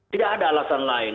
tidak ada alasan lain